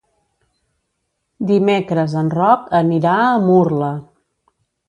Dimecres en Roc anirà a Murla.